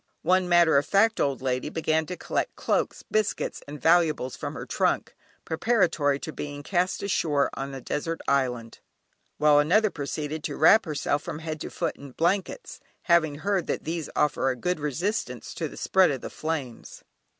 One matter of fact old lady began to collect cloaks, biscuits, and valuables from her trunk, preparatory to being cast ashore on a desert island, while another proceeded to wrap herself from head to foot in blankets, having heard that these offer a good resistance to the spread of the flames.